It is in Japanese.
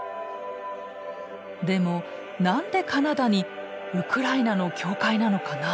でも何でカナダにウクライナの教会なのかな？